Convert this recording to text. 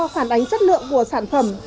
phản ánh chất lượng của sản phẩm